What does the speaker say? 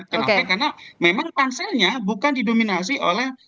kenapa karena memang panselnya bukan didominasi oleh